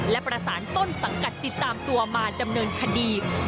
และประสานต้นสังกัดติดตามตัวมาดำเนินคดี